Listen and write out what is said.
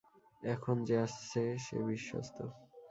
এখন যে আসছে সে বিশ্বস্ত।